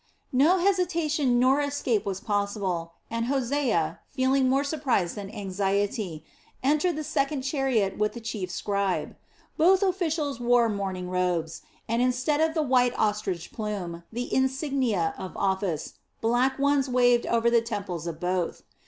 ] No hesitation nor escape was possible, and Hosea, feeling more surprise than anxiety, entered the second chariot with the chief scribe. Both officials wore mourning robes, and instead of the white ostrich plume, the insignia of office, black ones waved over the temples of both.